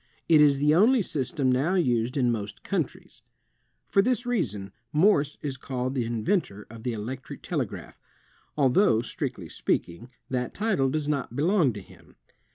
It is the only system now used in most countries. For this reason, Morse is called the inventor of the electric telegraph, although, strictly speak ing, that title does not belong to him.